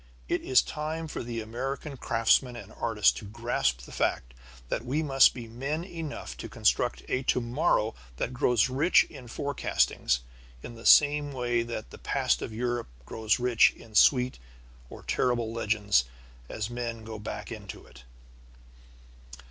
It is time for the American craftsman and artist to grasp the fact that we must be men enough to construct a to morrow that grows rich in forecastings in the same way that the past of Europe grows rich in sweet or terrible legends as men go back into it.